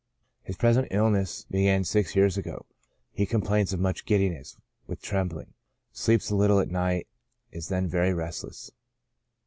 His present illness began six years ago. He complains of much giddiness, with trembling ; sleeps little at night, is then very restless.